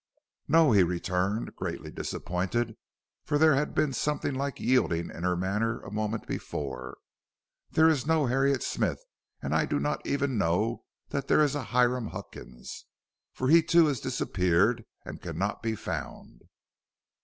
"No," he returned, greatly disappointed, for there had been something like yielding in her manner a moment before. "There is no Harriet Smith, and I do not even know that there is a Hiram Huckins, for he too has disappeared and cannot be found."